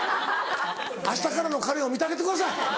明日からの彼を見てあげてください！